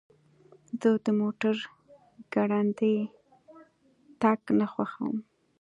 زه د موټر ګړندی تګ نه خوښوم.